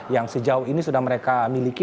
yang sejauh ini sudah mereka miliki